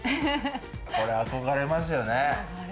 これ憧れますよね。